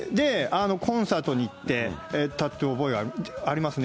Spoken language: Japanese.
コンサートに行って、歌った覚えがありますね。